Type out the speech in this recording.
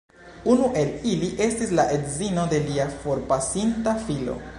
Unu el ili estis la edzino de lia forpasinta filo.